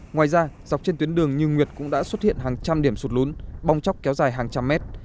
ngoài ra dọc trên tuyến đường như nguyệt cũng đã xuất hiện hàng trăm điểm sụt lún bong chóc kéo dài hàng trăm mét